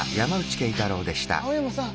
青山さん